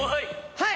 はい！